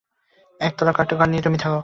একতলার কয়েকটা ঘর নিয়ে তুমি থাক।